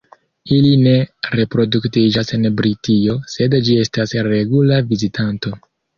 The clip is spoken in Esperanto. Ili ne reproduktiĝas en Britio, sed ĝi estas regula vizitanto.